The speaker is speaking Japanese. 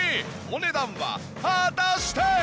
お値段は果たして！？